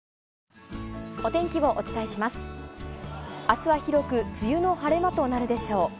あすは広く梅雨の晴れ間となるでしょう。